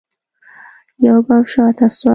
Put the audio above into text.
يوګام شاته سوه.